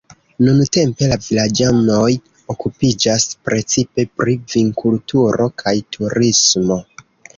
Nuntempe la vilaĝanoj okupiĝas precipe pri vinkulturo kaj turismo.